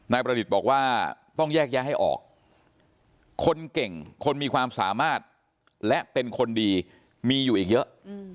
ประดิษฐ์บอกว่าต้องแยกแยะให้ออกคนเก่งคนมีความสามารถและเป็นคนดีมีอยู่อีกเยอะ